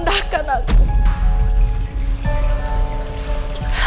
tapi musuh aku bobby